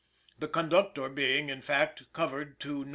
the conductor being, in fact, covered to No.